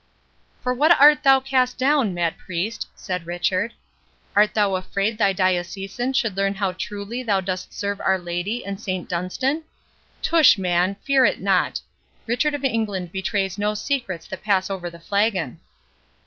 "For what art thou cast down, mad Priest?" said Richard; "art thou afraid thy diocesan should learn how truly thou dost serve Our Lady and Saint Dunstan?—Tush, man! fear it not; Richard of England betrays no secrets that pass over the flagon."